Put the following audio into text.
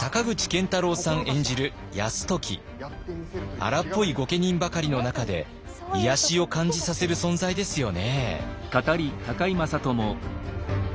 荒っぽい御家人ばかりの中で癒やしを感じさせる存在ですよね。